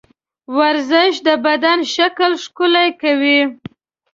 ورزش د بدن شکل ښکلی کوي.